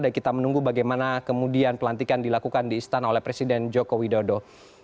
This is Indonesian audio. dan kita menunggu bagaimana kemudian pelantikan dilakukan di istana oleh presiden joko widodo